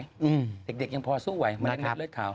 มันยังไม่เลือกเลือกขาว